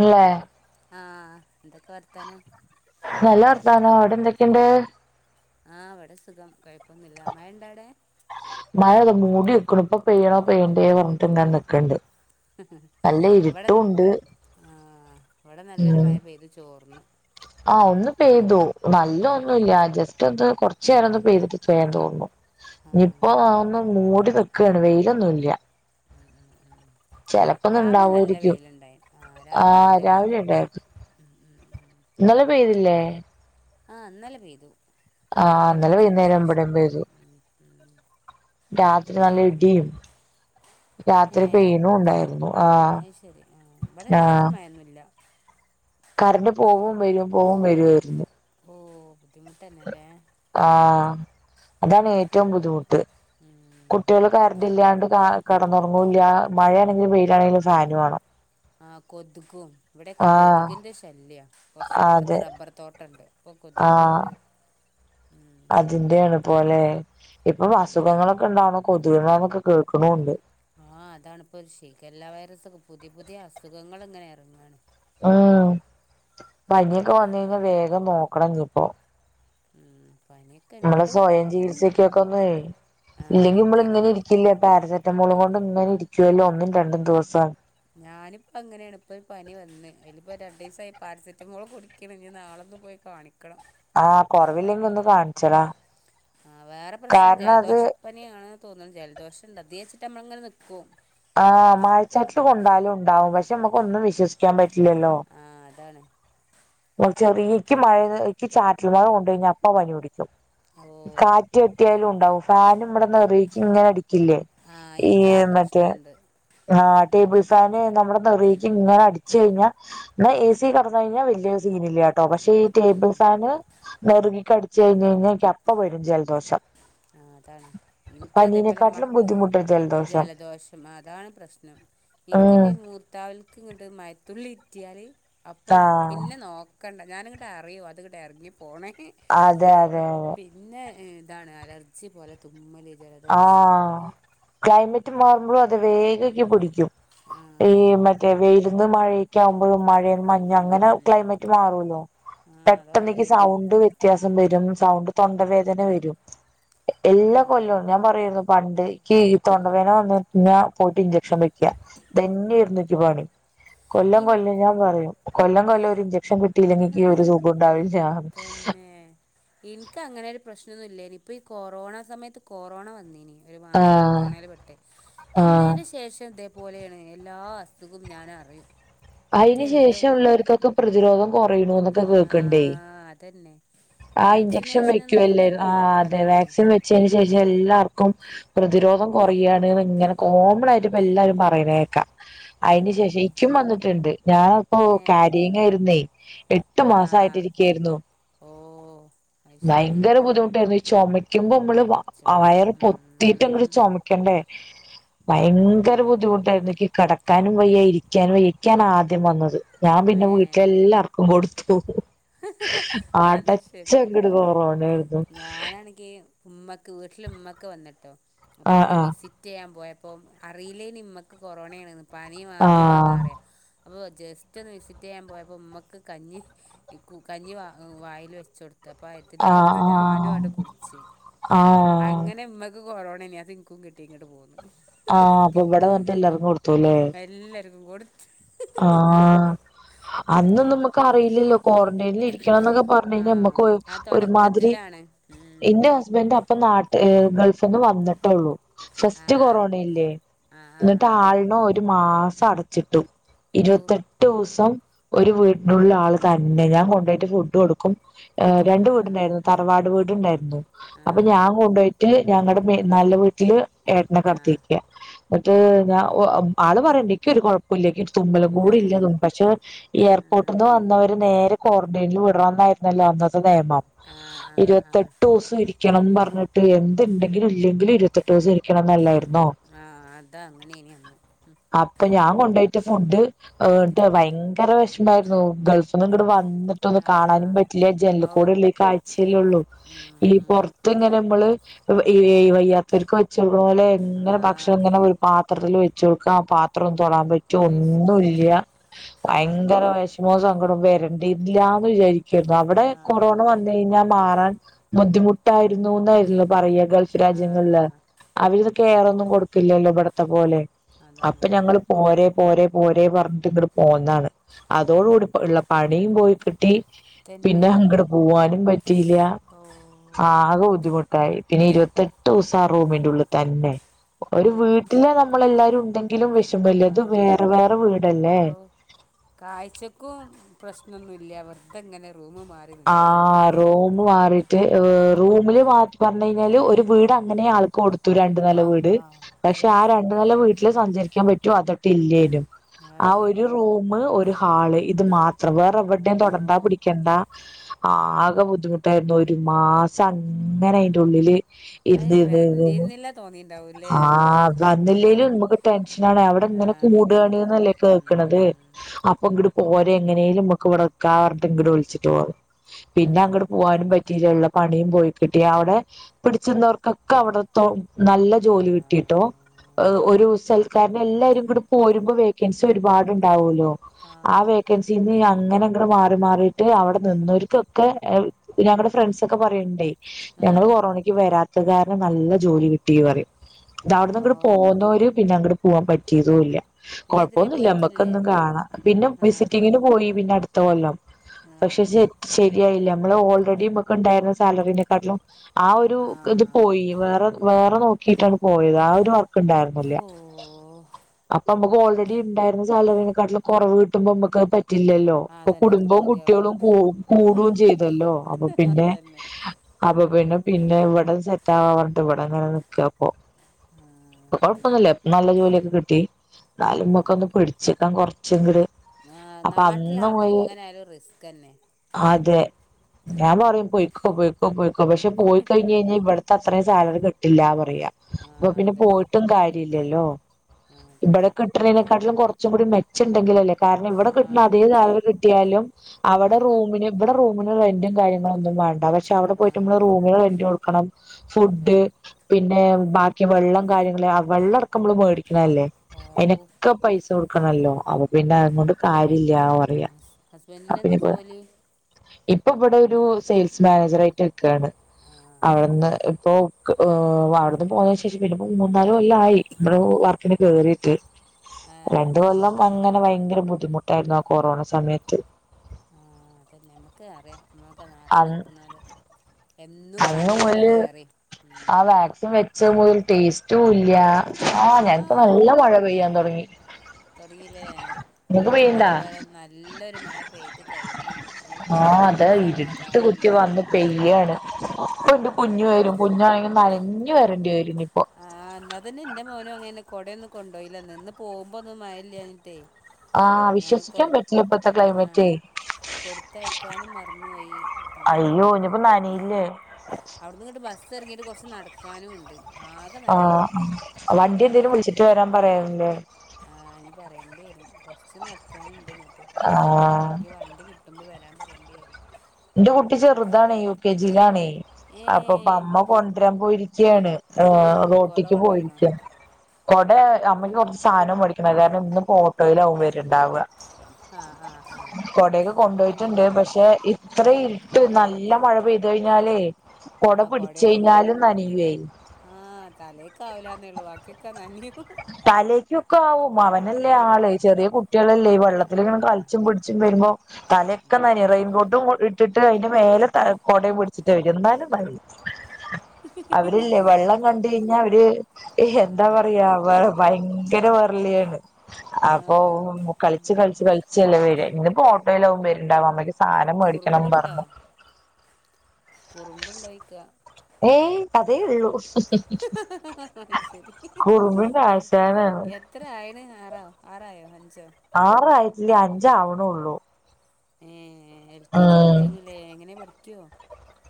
ഇല്ലേ ആഹ് എന്തൊക്കെ വർത്താനം നല്ല വർത്താനം അവിടെ എന്തൊക്കെ ക്കെണ്ട് ആഹ് ഇവടെ സുഖം കുഴപ്പൊന്നുല്ല മഴ ഉണ്ടാ ഔടെ മഴ അത് മൂടി നിക്ക്ണു ഇപ്പൊ പെയ്യണോ പെയ്യണ്ടേന്ന് പറഞ്ഞിട്ട് നിക്ക്ണ്ട് ഇവടൻ ആഹ് ഇവിടെ നല്ലൊരു ഉം മഴ പെയ്തു ചോർന്ന് ആ ഒന്ന് പെയ്തു വല്യ ഒന്നുല്ല. ജസ് റ്റെന്തോ കുറച്ച് നേരം ഒന്ന് പെയ്തിട്ട് വേം തോർന്നു. ആഹ് ഇഞിപ്പൊ ആവുമ്പം മൂടി നിക്കാണ്. വെയിലൊന്നും ഇല്ല. ഉം ഉം ഉം ചെലപ്പ ഇന്ന് രാവിലെ നല്ല ഇണ്ടാവായിരിക്കും. വെയിലുണ്ടായി രാവിലെ ആഹ് നല്ല വെയിൽ രാവിലെ ഇണ്ടായിരുന്നു. ഉം ഉം ഇന്നലെ പെയ്തില്ലേ? ആ ഇന്നലെ പെയ്തു. ആ ഇന്നലെ ഉച്ചൻ്റെ വൈന്നേരം ശേഷം ഇവിടെം പെയ്തു. ഉം ഉം രാത്രി നല്ല ഇടിയും രാത്രി ഏഹ് പെയ്യുണൂം ഉണ്ടായിരുന്നു. ആഹ് അത് ശരി ആഹ് ഇവിടെ രാത്രി ആഹ് മഴയൊന്നുമില്ല കറണ്ട് പോവും, വരും, പോവും, വരുവായിരുന്നു ഓ ബുദ്ധിമുട്ട് തന്നെല്ലേ.. ആഹ് അതാണ് ഏറ്റവും ബുദ്ധിമുട്ട്. ഉം കുട്ടികൾ കരണ്ടില്ലാണ്ട് കാ കെടന്നുറങ്ങൂല്ല. മഴയാണെങ്കിലും വെയിലാണെങ്കിലും ഫാനും വാണം. ആ കൊതുകും ഇവിടെയൊക്കെ കൊതുകിന്റെ ശല്യാ... കുറച്ചപ്പുറത്ത് അതെ റബ്ബർ തോട്ടംണ്ട്. ഇപ്പൊ കൊതുക് ആഹ് ഒരു ഉം അതിന്റെയാണ് പോലെ ഇപ്പൊ അസുഖങ്ങളൊക്കെ ഉണ്ടാവ്ണു കൊതുകുകളാന്നൊക്കെ കേൾക്കുണൂണ്ട്. ആഹ് അതാണിപ്പോ. ഒരു ശിഖല്ലാ വൈറസ് ഒക്കെ പുതിയ പുതിയ അസുഖങ്ങൾ ഇങ്ങനെ എറങ്ങാണ്. ആഹ് പനിയൊക്കെ വന്ന് കഴിഞ്ഞാ വേഗം നോക്കണം ഇഞ്ഞ്പ്പോ ഉം പനിയൊക്കെ നമ്മളെ ഇണ്ട് ഇവിടെ സ്വയം ചികിത്സക്കൊക്കെ ഒന്നെയ് ആഹ് ഇല്ലെങ്കി നമ്മള് ഇങ്ങനെ നിക്കരുത് ഇരിക്കില്ല പാരസെറ്റമോളും കൊണ്ട് ഇങ്ങനെ ഇരിക് ജല ഒന്നും രണ്ടും ദിവസാണ് ഞാനിപ്പങ്ങനെണ് ഇപ്പൊ ഒരു പനി വന്ന് അയ്ല് പ്പെ രണ്ടീസായി പാരസെറ്റമോൾ കുടിക്ക്ണ് ഇഞ്ഞ് നാളെന്ന് പോയി കാണിക്കണം ആഹ് ക്കണം കൊറവില്ലെങ്കി ഒന്ന് കാണിച്ചെടാ ആഹ് വേറെ പ്രശ്നം കാരണം അത് ജലദോഷപ്പനി ആണ്ന്ന് തോന്നുന്നത് ജലദോഷ ഇണ്ട് അത [unintelligible] ച്ച റ്റമ്മങ്ങള്ങ്ങനെ നിക്കും ആഹ് മഴച്ചാട്ടിൽ കൊണ്ടാലും ഉണ്ടാവും പക്ഷെ നമ്മക്ക് ഒന്നും വിശ്വസിക്കാൻ പറ്റില്ലല്ലോ ഇതാണ് ചെറിയക്ക് മഴക്ക് ചാറ്റൽ കൊണ്ട് കഴിഞ്ഞാ അപ്പോ പനി പിടി ക്കും ഓഹ് കാറ്റ് തട്ടിയാലു ഉണ്ടാവും ഫാനമ്മുടെ നെറുകക്കിങ്ങനടി കില്ലെ ആഹ് ഈ എനിക്ക് ആ മറ്റേ പ്രശ്നമുണ്ട് ആ ടേബിൾ ഫാന് നമ്മുടെ ഉം നിറക്കിങ്ങനടിച്ച് കഴിഞ്ഞാ എന്നാ എ സിയിൽ കിടന്ന് കഴിഞ്ഞാ വല്ല്യ സീനില്ല കേ ട്ടോ പക്ഷെ ഈ ഉം ടേബിൾ ഫാൻ നെറുകിക്കടി ച്ചു കഴിഞ്ഞു കഴിഞ്ഞാ എനിക്കപ്പ വരും ജല അതാണ് എനിക്കതേപോലെ മ പനീനെക്കാട്ടിലും ബുദ്ധിമുട്ടാ ജലദോഷം അതാണ് പ്രശ്നം ഉം എനിക്കിന്റെ മൂർത്താവിലേയ്ക്ക് ഇങ്ങട്ട് മഴത്തുള്ളി ഇറ്റിയാല് അപ്പം ആഹ് പിന്നെ നോ കണ്ട ഞാനിങ്ങട്ടറിയും അതങ്ങട്ട് ഇറങ്ങി പോണെ അതെ അതെ അതെ പിന്നെ ഇ അലർജി പോലെ തുമ്മല് ആ ക്ലൈമറ്റ് മാറുമ്പോ അത് വേഗം എനിക്ക് പിടി ക്കും ആ ഈ മറ്റേ വെയിലന്ന് മഴയേക്കാവുമ്പോഴും മഴെന്ന് മഞ്ഞ് അങ്ങനെ ഉം ക്ലൈമറ്റ് മാറൂല്ലോ ആ അതൊക്കെ പെട്ടെന്നെനിക്ക് അറിയില്ലേ സൗണ്ട് വ്യത്യാസം വരും സൗണ്ട് തൊണ്ടവേദന വരും എല്ലാ ആ കൊല്ലൊ രുന്നു പണ്ട് ക്ക് ഈ ആ തൊണ്ടവേദന വന്നേ പിന്നെ പോയിട്ട് ഇൻജെക്ഷൻ വെ ക്കാ ഇതു തന്നെയാരുന്നു എനിക്ക് പണി കൊല്ലം എനിക്ക് കൊല്ലം ഞാൻ പറയും കൊല്ലം കൊല്ലം ഇഞ്ജെക്ഷൻ കി ട്ടില്ലെങ്കി എനിക്ക് ഒരു സുഖണ്ടാവില്ല തന്നെ എനിക്ക് അങ്ങനെ ഒരു പ്രശ്നമൊന്നും ഇല്ലേനി ഇപ്പൊ ഈ കൊറോണ സമയത്ത് കൊറോണ വന്നേനി ഒരു മാസം ആഹ് കൊറോണയില് പെട്ടു ആഹ് എന്നേന്റെ ശേഷം ദേ പോലെയാണ് എല്ലാ അസുഖം ഞാനറിയും അതിന് ശേഷം ഉള്ളവർക്കൊക്കെ പ്രതിരോധം കൊ കുറയണൂന്നൊക്കെ ആ കേക്കണ്ടേ അതന്നെ ആ ഇഞ്ചക്ഷൻ വാക്സിനേഷനൊന്നും വെക്കുവല്ലേ വെച്ച് ആ അതെ അതന്നെ വാക്സിൻ വെച്ചേന് അത്യാവശ്യം എല്ലാർക്കും പ്രതിരോധം കൊറയാണ് ന്നിങ്ങനെ കോമണായിട്ടിപ്പ എല്ലാരും പറയണ കേക്കാം അതിന് ശേഷം അതുകൊണ്ടന്നെ ഇക്കും വന്നിട്ട് ട്ടുണ്ട് ഞാനപ്പോ ഏ ക്യാരിങ്ങാരുന്നേ എട്ടു ആ മാസയിട്ടിരിക്കായിരുന്നു ഓ അത് ശരി ഭയങ്കര ബുദ്ധിമുട്ടായിരുന്നു ഇ ചുമിക്കുമ്പോ നമ്മ ചുമ വയറ് പൊത്തിട്ട ഉം ചമക്കണ്ടേ ഭയങ്കര ഉം ബുദ്ധിമുട്ടായിുന്നട ക്കാനും വയ്യായി ഇരിക്കാനും വയ്യ പാന ആദ്യം വന്നത് ഞാൻ പിന്നെ ഏ വീട്ടിലെ എല്ലാർക്കും കൊടുത്തു ഓ അത് ശരി ആട്ടച്ചങ്ങിട് കൊറവണായിരുന്നു ഞാനാണെങ്കി ഉമ്മക്ക് വീട്ടില ഉമ്മക്ക് വന്നിട്ടോ അപ്പൊ ആഹ് ഒന്ന് ആഹ് വിസിറ്റ് ചെയ്യാൻ പോയ അപ്പം അറിയില്ലേമ്മക്ക് കൊറോണ ആണ പനി മാത്രം ഉള്ളതാ ആഹ് അറിയ അപ്പൊ ജസ്റ്റ് ഒന്ന് വിസിറ്റ് ചെയ്യാൻ പോയപ്പോ ഉമ്മക്ക് കഞ്ഞി ഈ കഞ്ഞി വായിൽ വെച്ച കൊടുത്തു പ്പ അത്തിന്റെ ആഹ് കൊടുത്ത് ആഹ് ഞാനുംമായിട്ട് കുടിിച്ച ആഹ് അങ്ങനെ ഇമ്മക്ക് ഓോണ്ണ ഇനി അത് നിനിക്കും കിട്ടി ഇങ്ങട്ട് പോകുന്നു ആഹ് അപ്പൊ ഇവിടെ വന്നിട്ട് എല്ലാാരും കൊടുത്തൂലൂ നല്ലക്ക കൊടുത്ത് ആഹ അന്നും അതന്നെ നമുക്ക് അറിയില്ലല്ലോ ക്വാറന്റൈനിൽ ഇരിക്കണം എന്നൊക്കെ പറഞ്ഞു കഴിഞ്ഞാൽ ആഹ് നമ്മുക്ക് ആ ഒരുമാതിരി തൊടക്കത്തിലാണ് ഉം എന്റെ ഹസ്ബൻഡ അപ്പ നാട്ട ഗൾഫന്ന് വന്നിട്ടുള്ളൂ ഫസ്റ്റ് ആഹ് കൊറോണ ഇല്ലേ ആഹ് ആഹ് എന്നിട്ട് ആഹ് ആളണം ഒരു മാസ അടച്ചിട്ടും ഔ ഇരുപത്തെട്ട് ദിവസം ഒരു വീടിനുള്ള ആള് ഉം തന്നെ ഞാൻ കൊണ്ടയിട്ട് ഫു ഇ കൊടുക്കും ് രണ്ട ആഹ് വീടുണ്ടായിരുന്നു തറവാട് വീടുണ്ടായിരുന്നു അപ്പൊ ആഹ് ഞാൻ കൊണ്ടുപോയിട്ട് ഞങ്ങളുടെ നല്ല വീട്ടില് ഏട്ടന ആഹ് കടത്തിരിക്കുക എന്നിട്ട് ഞാ ആള് പറയണ്ടിക്കും ഒരു കുഴപ്പില്ല തുമ്പലം കൂടി ആഹ് ഇല്ലതും പക്ഷെ എയർപോർട്ടിൽ നിന്ന് വന്നവര് നേരെ ക്വാറന്റൈനിൽ വിടന്നായിരുന്നല്ലോ അന്ന ആഹ് ആഹ് ആഹ് ഇരുപത്തെട്ട് ദിവസം ഇരിക്കണം പറഞ്ഞിട്ട് എന്തുണ്ടെങ്കിലും ഇല്ലെങ്കിൽ ഇരുപത്തെട്ട് ദിവസ ഇരിക്കണം എന്നല്ലായിരുന്നു ആഹ് അതങ്ങനേനി അന്ന് അപ്പൊ ഞാൻ കൊണ്ട റ്റ ഫുഡ്് ഭയങ്കര വിഷമായിരുന്നു ഗൾഫിൽ എന്നിട്ടൊന്ന് കാണാനും ആഹ് പറ്റില്ല, ഔ ജനലിക്കൂട്ള്ള ഈ കാഴ്ചല്ലള്ളൂ, ഈ ഉം പൊറത്ത് ഇങ്ങനെ മ്മള് വ് ഈ വയ്യാത്തൊരു കൊച്ചും പോലെ എങ്ങനെ ഭക്ഷണം ഇങ്ങനെ ആഹ് ഒരു പാത്രത്തിൽ വെ [unintelligible] ആ പാത്രം ഒന്ന് തൊടാൻ [unintelligible] അയ്സ് ഒന്നുല്ല അഹ് വയങ്കര വെശ് [unintelligible] സങ്കടം വരണ്ടേല്ലാന്ന് വിചാരി ക്കായിരുന്നു അവിടെ കൊറോണ ആഹ് വന്ന് കഴിഞ്ഞാ മാറാൻ ബുദ്ധിമുട്ടായിരുന്നു ന്നായിരുന്നു. പറയ ഗൾഫ് രാജ്യങ്ങളില് ആഹ് അവരിതൊക്കെ [unintelligible] കൊടുക്കില്ലല്ലോ ഇവടത്തെ പോലെ. അപ്പ അതാണ് ഞങ്ങള് പോരെ. പോരെ പോരെ പറഞ്ഞിട്ട് ഇങ്ങ്ട് പോന്നാണ് അതോടുകൂടി ഇപ്പ ഇള്ള പണിയും പോയി കിട്ടി പിന്നെ തന്നെ അങ്ങട് പൂവാനും പറ്റിയില്ല ഓഹ് ആകെ ബുദ്ധിമുട്ടായി, പിന്നെ ഇരുപത്തെട്ട് ദുസം ആ റൂമിന്റെ ഉള്ള് തന്നെ ഒരു അതൊക്കെ വീട്ടില് നമ്മളെല്ലാരും ഉണ്ടെങ്ക് ങ്കിലും വിഷമല്ല ഇതും ആഹ് വേറെ വേറെ വീടല്ലേ ഔ പ്രശ്നന്നുല്ല വെറ്തെ ഇങ്ങനെ ആ റൂമ് മാറിട്ട് ഏഹ് റൂമില് ബാക്കി പറഞ്ഞ് കഴിഞ്ഞാല് ഒരു വീട് അങ്ങനെ ആൾക്കും കൊടു ത്തു രണ്ടു നെല വീട് അള്ളാ പക്ഷേ ആ ഔഫ് രണ്ടു നെല വീട്ടില് സഞ്ചരിക്കാൻ പറ്റോ അതൊട്ട് ഇല്ലേനും, ആ ഔ ഒരു റൂമ് ഒരു ഹാള് ഇത് ഓ മാത്രം വേറെ എവിടേം തോടണ്ടാ പിടിക്കണ്ട. ആകെ ബുദ്ധിമുട്ടായിരുന്നു ഒരു മാസം അങ്ങനെ അയിന്റെ ഉള്ളില്. ഇരുന്ന് അയ് ഇരുന്ന് ഇരുന്ന് ഇരുന്ന് വരണ്ടിയിരുന്നില്ല തോന്നിണ്ടാവൂല്ലേ ആ വന്നില്ലേലും നമുക്ക് ടെൻഷനാണ് അവിടെ ആ ഇങ്ങനെ പിന്നെന്താ കൂടാണ്ന്നല്ലേ കേക്കണത് ഉം അപ്പോ ഇങ്ങട് ഓര് എങ്ങനേലും മ്മക്ക് ഇവട നിക്ക പറഞ്ഞിട്ട് ഇങ്ങട് വിളിച്ച്. [unintelligible] ആ പിന്നെ അങ്ങട് പോവാനും പറ്റില്ല ഇള്ള പണിയും പോയി കിട്ടി അവിടെ പിടിച്ചിരുന്നവർക്കൊക്കെ അവിടത്തെ നല്ല ആ ജോലി കിട്ടിട്ടോ, ഒരു സൽക്കാരന് എല്ലാരും കൂടെ പോരുമ്പോ വേക്കൻസി ഒരുപാട്ണ്ടാവൂല്ലോ. ആ വേക്കൻസിന്ന് ഞാ അങ്ങനെ അങ്ങട് മാറി മാറി അവിടെ നിന്നവർക്കൊക്കെ ഈ ഞങ്ങളടെ ഫ്രണ്ട്സ് ഒക്കെ പറയണ്ടേ ആ ഞങ്ങള് കൊറോണക്ക് വരാ- കാരണം നല്ല ജോലി കിട്ടി പറയും ഇത് ഹോ അവിടുന്ന് അങ്ങട് പോന്നോര് പിന്നെ അങ്ങട് പോവാൻ പറ്റിയതും ഇല്ല്യ പിന്നെ ഇതിരെ കൊഴപ്പൊന്നുമില്ല പോയിട്ടില്ലേ നമക്കെന്നും കാണാം പിന്നെ ആ വിസിറ്റിങ്ങിന് പോയി പിന്നെ അടു- എത്ര കൊല്ലം ആ പക്ഷെ ശരിയായില്ല നമ്മള് ഓൾറെഡി നമക്ക് ഉണ്ടായിരുന്ന സാലറിനെക്കാട്ടിലും ആ ഒരു ഇത് പോയി വേറെ വേറെ നോക്കിയിട്ടാണ് പോയത് ആ ഒരു ണ്ടായിർന്നില്ല ഹോ അപ്പമ്മക്ക് ഓൾറെഡി ഇണ്ടായിരുന്ന സാലറിനെക്കട്ടിലിൽ കൊറവ് കിട്ടുമ്പോ മക്ക പറ്റി റ്റില്ലല്ലോ ആ ഇപ്പൊ അതന്നെ കുടുംബവും കു തൃപതി കുട്ടികളും ആവല്ലോ ഉഹും. കൂടും ചെയ്തല്ലോഅപ്പൊ പിന്നെ അതന്നെ അപ്പൊ പിന്നെ പിന്നെ ഇവിടെ സെറ്റാവാ പറഞ്ഞിട്ട് ഇവിടെ ഇങ്ങനെ നിക്ക അപ്പൊ ആ കൊഴപ്പൊന്നുമില്ല അതന്നെ നല്ല ജോലിയൊക്കെ കിട്ടി ആ എന്നാലുംക്കെ ഒന്ന് പിടിച്ക്ക കൊ ച് ങ്ങട് ആ നാട്ടിലാകുമ്പോ എങ്ങനൊയാലും റിസ് അതെ ഞാൻ പറയും പോയിക്കോ പോയിക്കോ പോയിക്കോ പക്ഷെ പോയിക്കഴിഞ്ഞഴിഞ്ഞ ഇവിട അത്രയും സാലറി കിട്ടില്ല. ആ അപ്പ പിന്നെ അതന്നെ പോയിട്ടും കാര്യല്ലല്ലോ. ആ ഇവിടെ അതന്നെ കിട്ടതിനെക്കാട്ടിലും കുറച്ചും കൂടി ച്ച ഉണ്ടെങ്കിലല്ലേ കാരണം ഇവിടെ ആ കിട്ടുന്ന അതേ പോയിട്ട് സാലറി കിട്ടിയാലും ആ അവിടെ റൂമിന് ഇവിടെ റൂമിന് റെന്റും കാര്ങ്ങളന്നും വേണ്ട. പക്ഷെ അവിടെ ആ പോയിട്ട്മ്മള് റൂമിന് റെന്റ് കൊടുക്കണം ഫുഡ് അതന്നെ പിന്നെ ബാക്കി വെള്ളം കാര്യങ്ങള് വെള്ളം ടക്കം മേടിക്കണല്ലേ ഓ അതിനൊക്കെ പൈസ കൊടുക്കണല്ലോ അപ്പൊ പിന്നെ ആ അതൊണ്ട് കാര്യ ഇല്ല പറയാ. ഹസ്ബൻഡ് അപ്പൊ എന്താ ഇനിപ്പോ ജോലി? ഇപ്പൊ ഇവിടെ ഒരു സെയിൽസ് മാനേജർ ആയിട്ട് നിക്കാണ്. ആ അവിടെന്ന് ഇപ്പൊ അവിടുന്ന് പോന്നന് ശേഷം പിന്നെ മൂന്ന നാല് കൊല്ലം ആയി നമ്മടെ വർക്കിന് കേറിയിട്ട് ഏ രണ്ട് കൊല്ലം. അങ്ങനെ ഭയങ്കര ബുദ്ധിമുട്ടായിരുന്നു. ആ കൊറോണ സമയത്ത്. ആഹ് അത നമ്മക്ക് അറിയാം നമ്മക്ക് നാട്ടിൽ അന്ന് നിക്കുന്ന ഒരു എന്നും അന്ന് കടും അത് മുതല് വേറെ ഉ ആ വാക്സിൻ വെച്ച മുതൽ ടേസ്റ്റും ഇല്ല. ആഹ് ഞാനപ്പോ നല്ല മഴ പെയ്യാൻ തുടങ്ങി. തുടങ്ങില്ലേ നിങ്ങക്ക് ഇവിടെ അതുപോലെ നല്ലൊരു മഴ പെയ് ആഹ് അതാ ഇരുട്ട് കുത്തി സമാധാനമുണ്ട് വന്ന് പെയ്യാണ്. കൊണ്ട് ആ കുഞ്ഞ് ഇനി വരും. കുഞ്ഞണെങ്കിൽ നനഞ്ഞു വരേണ്ടി വരും. ഇനിയിപ്പോ ആഹ് എന്നാതന്നെ എന്റെ മോനും അങ്ങന കൊടയൊന്നും കൊണ്ടോയില്ല നിന്ന് പോകുമ്പോ ഒന്നും മയല്ലാഞ്ഞിട്ടേ. ആ ഞൻ വിശ്വസിക്കാൻ കൊടു പറ്റില്ല ഇപ്പത്തെ ആ ക്ലൈമറ്റേ കൊടുത്തയക്കാനും മറന്നുപയി. ആക അയ്യോ കൊടുങ്ങു ഇനിയിപ്പോ നനയില്ലേ അവിടുന്ന്ങ്ങിട്ട് ബ ബസെറങ്ങിയിട്ട് കുറച്ച് നടക്കാനും ഉണ്ട്. ആകെ ആ നനയും വണ്ടി എന്തേിലും മക്ക് വിളിച്ചിട്ട് വരാൻ പറയാോ പിെ [unintelligible] ആ അനി പറയേണ്ടി വരും കൊറച്ച്ു നടക്കാനുണ്ട്ട്ട ആഹ് ആരെെങ്കി വണ്ടി കിട്ടുമ്പോ വരാൻ പറ രണ്ടു പേരും [unintelligible] എന്റെ കുട്ടി ചെറുതണ യു കെ ജിയിലാണ ഏ അപ്പൊപ്പ അമ്മ കൊണ്ടരാൻ പോയിരിക്കയാണ് ആ പക്കോട റോട്ടിക്ക് കൊണ്ടുപോയിണോ പോയിരിക്ക കൊടെ നമ്മക്ക് കുറച്ച് സാധനം മടിക്കണം അ കാരണം ഇന്ന് വെയിൽ ആകുമ്പോൾ ട്ടോ വരുണ്ടാവുക ആ ആ ആ കൊടയൊക്കെ അപ്പോൾ പിന്നെ കൊണ്ടപോയിട്ടുണ്ട് പക്ഷെ കുഴപ്പമില്ല അത്ര ഉം. ഇട്ട് നല്ല എല്ല മഴ പെയ്തു കഴിഞ്ഞാലേ കൊട ആഹ പിടിച്ച് കൊടയൊന്നും കഴിഞ്ഞാലും നനയുവേ ആഹ തലൊക്ക ആാവലന്നേ ഉള്ളൂ ബാക്കിയൊക്കെ നന്ദിയ തലക്കൊക്കെ ആവും അവനല്ലേ ആ ആള് ചെറിയ കുട്ടികളല്ലേ ഈ വെള്ളത്തിലക്ക ആ കളിച്ചും പിടിച്ചും വരുമ്പോ തലയൊക്കെ നനയും റെയിൻകോട്ടും ഇട്ടിട്ട് അതിന്റെ മേലെ ത കൊടയും പിടിച്ചിട്ട് വരും എന്നാലും മതി അവരില്ലേ വെള്ളം കണ്ട കുറുമ്പ് കഴിഞ്ഞാൽ അവര് ആ എന്താ പറയാ അടങ്ങി നിക്കൂല ഭയങ്കര വെരളിയാണ് ആ അപ്പൊ കളിച്ചു ഉം കളിച്ചച്ച് കളിച്ചല്ല ഇന്ന് പോ എല്ലാവരും വരുണ്ടാവും അമ്മയ്ക്ക് സാധനം മേടിക്കണം കുറുമ്പുണ്ടോ പറഞ്ഞു കുറുമ്പുണ്ടോയിക്ക ഏയ് കതേ ഉള്ളൂ അത് ശരി കുറുമ്പിന്റെ എ ആശാനാണ് ആരായോ ആറായിട്ടില്ലേ അഞ്ച ആാവണള്ളൂ ഉം എൽ കെ ജി ഉം ഒക്കെഴിഞ്ഞല്ലേ എങ്ങനെ പഠിക്ക പക്കോ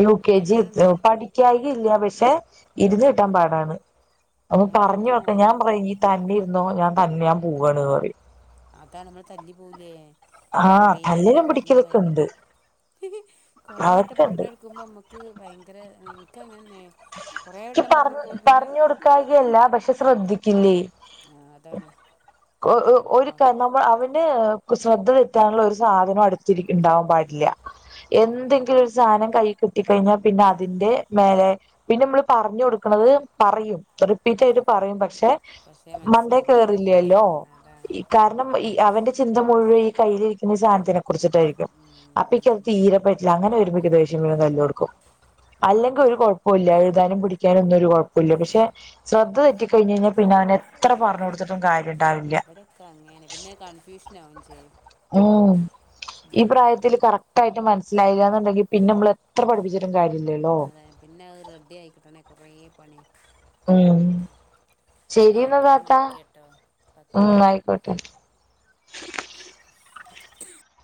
യു കെ ജി പഠിക്കായി ഇല്ല പക്ഷെ ഇരുന്ന് കെട്ടാൻ പാടാണ് അന്ന് അതാണ് എൻ്റെ പറഞ്ഞഞ് വെക്ക മോന് ഞാൻ പറയാ നീ തന്ന എന്തോ ഞാൻ തന്നെയൻ പോൂണ്റി അതാ നമ്മള് തല്ലി പോലേ കൊറ ആഹ് വട്ടം തല്ലലും പറഞ്ഞു പിടിക്കലൊക്കെ പോയൽ ഉണ്ട് കൊറ വട്ടം അതൊക്കെ ഉണ്ട് പറഞ്ഞ കൊടുക്കുമ്പോ നമ്മുക്ക് ഭയങ്കര [unintelligible] കൊറേ വട്ടം പറ പറഞ്ഞ് കൊടുക്കുമ്പോ പിന്നെ പറഞ്ഞു കൊടുക്കാഴികയല്ല പക്ഷെ ശ്രദ്ധിക്ക ആഹ് അതാണ് [unintelligible] ഒരു ഓലെ കാര്യ നമ്മൾ അവര് ഇത് ശ്രദ്ധ തെറ്റാനുള്ള ഒരു സാധനം അടുത്തിരി ഇണ്ടാവാൻ പാടില്ല. ഏഹ് എന്തെങ്കിലും ഒരു സാധനം കഴി കിട്ടി കഴിഞ്ഞാൽ പിന്നെ അതിന്റെ മേലെ പിന്നെ ഇമ്മള് പറഞ്ഞു കൊടുക്കണത് പറയും, റിപ്പീറ്റ് ആയിട്ട് പറയും പക്ഷെ പക്ഷേ [unintelligible] മണ്ടെ മനസ്സിലാവൂല കയറില്ലല്ലോ അതാണ് അതാണ് കാരണം, ഇ അവന്റെ ചിന്ത മുഴുവൻ ഈ കയ്യിലിരിക്കുന്ന ഈ സാധനത്തിനും കുറിച്ചിട്ടായിരിക്കും ഉം അപ്പക്ക് അത് ഉം തീരപ്പറ്റില്ല, അങ്ങനെ വരുമ്പോഴേക്ക് ദേഷ്യം വരും തല്ല് കൊടുക്കും അല്ലെങ്കിൽ അതാണ് ഒരു കൊഴപ്പ് എഴുതാനും പഠിക്കാനും ഒന്നും ഒരു കുഴപ്പമില്ല, പക്ഷെ ശ്രദ്ധ തെറ്റി കഴിഞ്ഞ് കഴിഞ്ഞാൽ പിന്നെ അവന് എത്ര പറഞ്ഞു കൊടുത്തിട്ടും കാര്യ ഇണ്ടാവില്ല ഇവിടെയൊക്കെ അങ്ങനെ പിന്നെ കൺഫ്യൂഷനാവും ചെയ്യും ഉം, ഈ ഉം പ്രായത്തില് കറക്റ്റ് ആയിട്ട് മന മനസ്സിലായില്ല എന്നുണ്ടെങ്കി പിന്നെ നമ്മളെ അതെ പിന്നെ അത് റെഡി ആയി കിട്ടണേ കുറെ പണിയാ ഉം, എന്നാ ശരിയന്ന ഓക്കെ ഞാൻ താത്ത, വിളിക്കാട്ടോ ഉം ആയിക്കോട്ട് [unintelligible]